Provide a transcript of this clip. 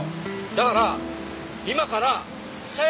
だから今からさよ